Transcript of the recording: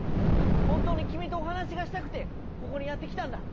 本当に君とお話がしたくて、ここにやって来たんだ。